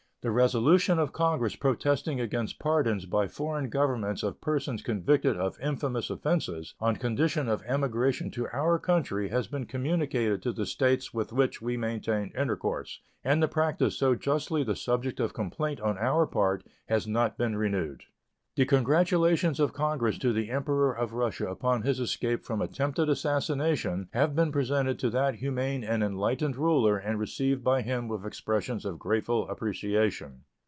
The resolution of Congress protesting against pardons by foreign governments of persons convicted of infamous offenses on condition of emigration to our country has been communicated to the states with which we maintain intercourse, and the practice, so justly the subject of complaint on our part, has not been renewed. The congratulations of Congress to the Emperor of Russia upon his escape from attempted assassination have been presented to that humane and enlightened ruler and received by him with expressions of grateful appreciation.